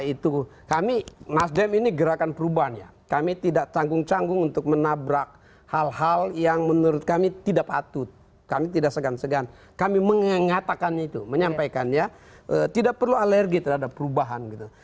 itu kami nasdem ini gerakan perubahan ya kami tidak tanggung canggung untuk menabrak hal hal yang menurut kami tidak patut kami tidak segan segan kami mengatakan itu menyampaikan ya tidak perlu alergi terhadap perubahan gitu